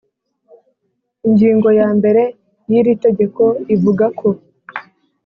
Ingingo ya mbere y’iri tegeko ivuga ko